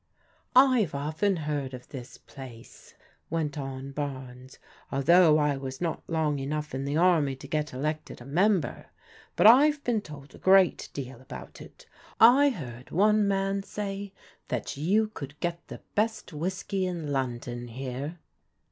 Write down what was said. " I've often heard of this place," went on Barnes, " although I was not long enough in the army to get elected a member; but I've been told a great deal about it. I heard one man say that you could get the best whiskey in London here."